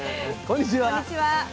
こんにちは。